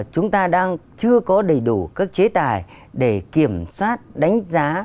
chúng ta đang chưa có đầy đủ các chế tài để kiểm soát đánh giá